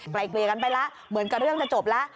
ไกลเกลี่ยกันไปแล้วเหมือนกับเรื่องจะจบแล้ว